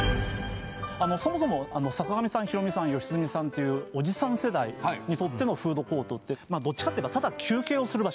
あのそもそも坂上さんヒロミさん良純さんっていうおじさん世代にとってのフードコートってまあどっちかっていえばただ休憩をする場所